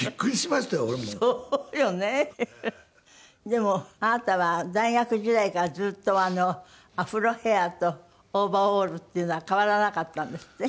でもあなたは大学時代からずっとアフロヘアとオーバーオールっていうのは変わらなかったんですって？